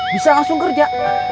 bisa langsung kerja